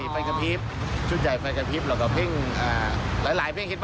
เพียงพังเห็ด